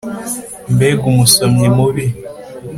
Mbega umusomyi mubi